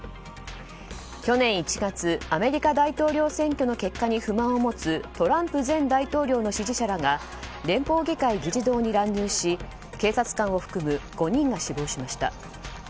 去年１月アメリカ大統領選挙の結果に不満を持つトランプ前大統領の支持者らが連邦議会議事堂に乱入し警察官を含む５人が死亡しました。